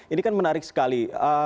ini menarik sekali